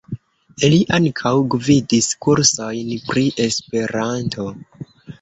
Li ankaŭ gvidis kursojn pri Esperanto.